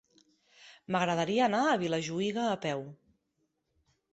M'agradaria anar a Vilajuïga a peu.